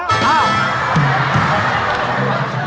อ้าว